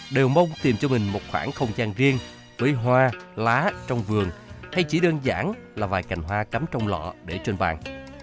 đều mong tìm cho mình một khoảng không gian riêng với hoa lá trong vườn thay chỉ đơn giản là vài cành hoa cắm trong lọ để trên vàng